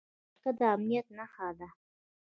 بدرګه د امنیت نښه ده